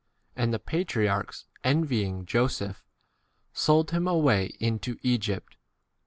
And the patriarchs, envying Joseph, sold him away into Egypt.